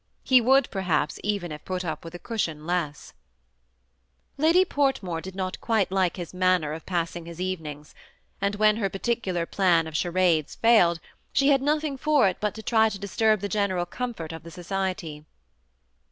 He would, perhaps, even have put up with a cushion less. THE SEMI ATTAOHBD COUPLE. 147 Ladj Portmore did not quite like his manner of passing his evening^ ; and when her particular plan of charades failed, she had nothing for it but to trj to disturb the general comfort of the societj.